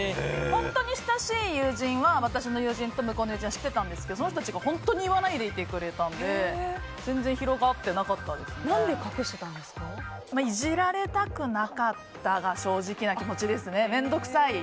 本当に親しい友人は私の友人と向こうの友人は知っていたんですがその人たちが本当に言わないでいてくれたので何で隠してたんですかイジられなくなかったが正直な気持ちです。